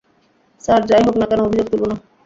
Sir, যা-ই হোক না কেন অভিযোগ তুলবো না।